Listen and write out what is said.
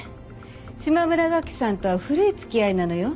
島村楽器さんとは古い付き合いなのよ。